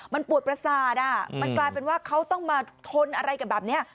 มันปวดประสาทมันกลายเป็นว่าเขาต้องมาทนอะไรกันแบบนี้